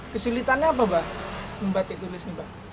kesulitannya apa mbak membatik tulis ini mbak